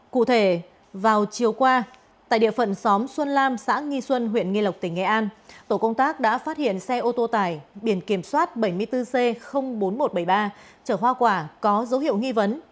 cụ thể vào chiều qua tại địa phận xóm xuân lam xã nghi xuân huyện nghi lộc tỉnh nghệ an tổ công tác đã phát hiện xe ô tô tải biển kiểm soát bảy mươi bốn c bốn nghìn một trăm bảy mươi ba trở hoa quả có dấu hiệu nghi vấn